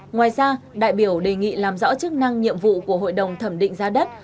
ngoài ra đại biểu đề nghị làm rõ chức năng nhiệm vụ của hội đồng thẩm định giá đất